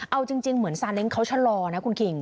เอาจริงเหมือนซาเล้งเขาชะลอนะคุณคิง